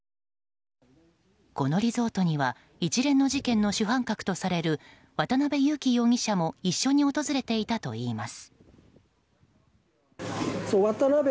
このリゾートには一連事件の主犯格とされる渡辺優樹容疑者も一緒に訪れていたといいます。